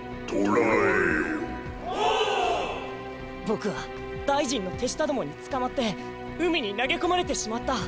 ボクは大臣のてしたどもにつかまってうみになげこまれてしまった。